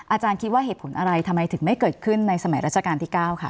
อาจารย์คิดว่าเหตุผลอะไรทำไมถึงไม่เกิดขึ้นในสมัยราชการที่๙ค่ะ